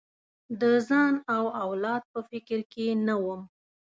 د ځان او اولاد په فکر کې نه وم.